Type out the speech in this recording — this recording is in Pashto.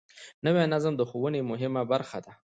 نوی نظم د ښوونې مهمه برخه ده